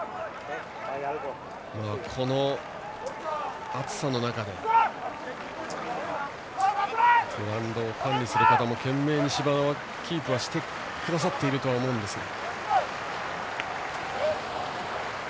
この暑さの中でグラウンドを管理する方も懸命に芝のキープはしてくださっているとは思いますが。